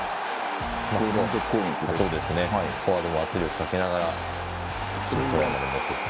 フォワードが圧力かけながら一気にトライまで持っていって。